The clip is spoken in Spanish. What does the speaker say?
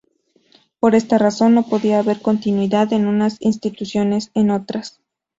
Por esta razón, no podía haber continuidad de unas instituciones en otras.